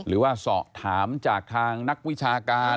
หรือว่าสอบถามจากทางนักวิชาการ